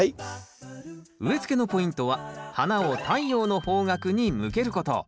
植えつけのポイントは花を太陽の方角に向けること。